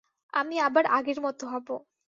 আমি আবার আগের মত হব।